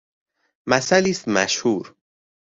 مثلی است مشهور...